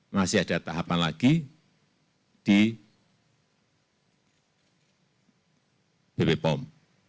masih ada tahapan lagi di bpom